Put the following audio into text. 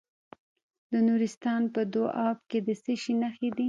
د نورستان په دو اب کې د څه شي نښې دي؟